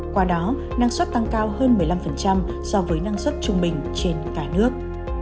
qua đó năng suất tăng cao hơn một mươi năm so với năng suất trung bình trên cả nước